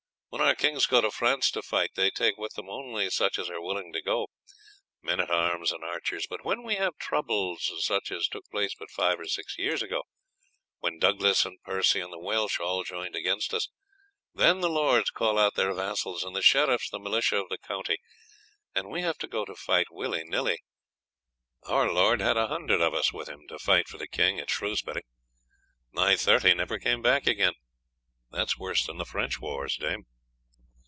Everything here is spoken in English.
When our kings go to France to fight they take with them only such as are willing to go, men at arms and archers; but when we have troubles such as took place but five or six years ago, when Douglas and Percy and the Welsh all joined against us, then the lords call out their vassals and the sheriffs the militia of the county, and we have to go to fight willy nilly. Our lord had a hundred of us with him to fight for the king at Shrewsbury. Nigh thirty never came back again. That is worse than the French wars, dame."